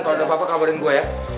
kalo ada apa apa kaburin gue ya